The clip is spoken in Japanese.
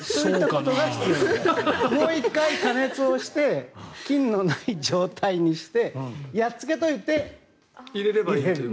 もう１回加熱をして菌のない状態にしてやっつけといて入れればいいと。